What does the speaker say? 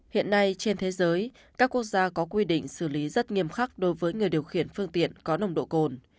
hiện nay trên thế giới các quốc gia có quy định xử lý rất nghiêm khắc đối với người điều khiển phương tiện có nồng độ cồn